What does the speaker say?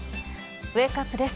ウェークアップです。